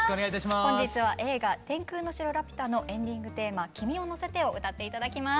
本日は映画「天空の城ラピュタ」のエンディングテーマ「君をのせて」を歌って頂きます。